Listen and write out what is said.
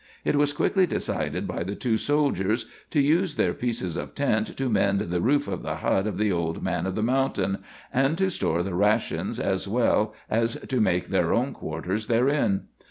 It was quickly decided by the two soldiers to use their pieces of tent to mend the roof of the hut of the old man of the mountain, and to store the rations as well as to make their own quarters therein.